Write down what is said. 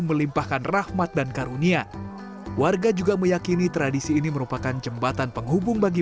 melimpahkan rahmat dan karunia warga juga meyakini tradisi ini merupakan jembatan penghubung bagi